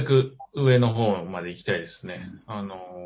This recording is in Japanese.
上の方まで行きたいですね。